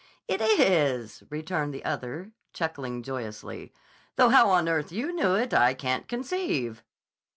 "It is," returned the other, chuckling joyously. "Though how on earth you knew it I can't conceive."